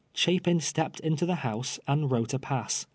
Chapin stepped into the house and wrote a pass.